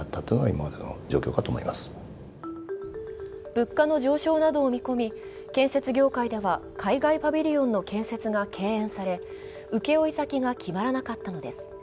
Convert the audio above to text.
物価の上昇などを見込み、建設業界では海外パビリオンの建設が敬遠され、請け負い先が決まらなかったのです。